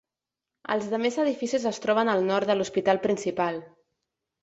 Els demés edificis es troben al nord de l'hospital principal.